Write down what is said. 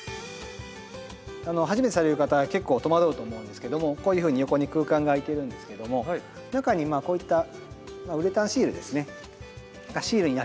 初めてされる方は結構とまどうと思うんですけどもこういうふうに横に空間があいてるんですけども中にこういったウレタンシールですねシールになっているので。